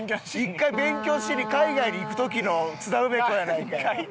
１回勉強しに海外に行く時の津田梅子やないかい。